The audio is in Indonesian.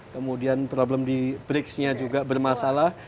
kemudian problem di bridge nya juga bermasalah